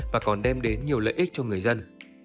và còn đem đến nhiều lợi ích cho người dân